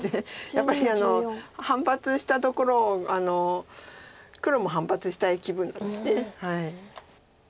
やっぱり反発したところを黒も反発したい気分なんです。